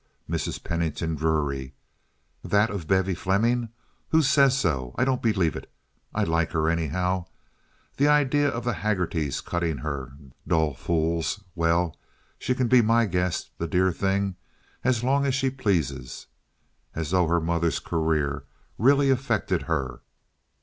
Mrs. Pennington Drury: "That of Bevy Fleming! Who says so? I don't believe it. I like her anyhow. The idea of the Haggertys cutting her—dull fools! Well, she can be my guest, the dear thing, as long as she pleases. As though her mother's career really affected her!"